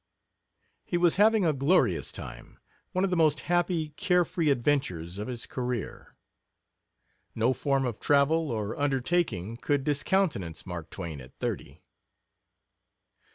He was having a glorious time one of the most happy, carefree adventures of his career. No form of travel or undertaking could discountenance Mark Twain at thirty.